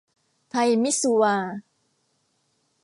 ไทยมิตซูวา